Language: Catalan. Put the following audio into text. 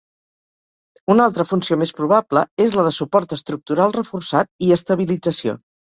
Una altra funció més probable és la de suport estructural reforçat i estabilització.